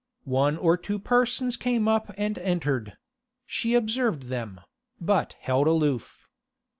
One or two persons came up and entered; she observed them, but held aloof.